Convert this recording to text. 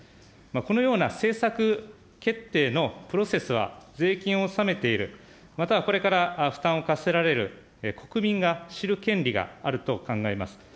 このような政策決定のプロセスは税金を納めている、またはこれから負担を課せられる国民が知る権利があると考えます。